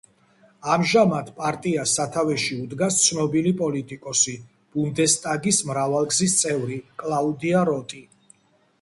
ამჟამად, პარტიას სათავეში უდგას ცნობილი პოლიტიკოსი, ბუნდესტაგის მრავალგზის წევრი კლაუდია როტი.